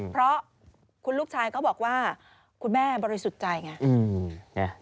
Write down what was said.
เพราะคุณลูกชายเขาบอกว่าคุณแม่บริสุทธิ์ใจไง